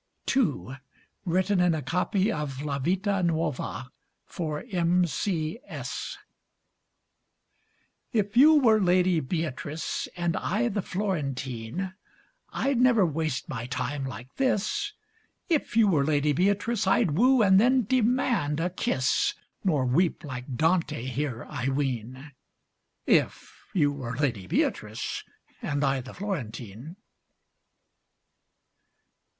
II (Written in a copy of "La Vita Nuova". For M. C. S.) If you were Lady Beatrice And I the Florentine, I'd never waste my time like this If you were Lady Beatrice I'd woo and then demand a kiss, Nor weep like Dante here, I ween, If you were Lady Beatrice And I the Florentine.